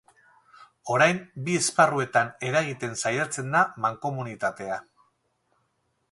Orain bi esparruetan eragiten saiatzen da mankomunitatea.